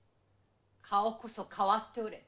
顔こそ変わっておれ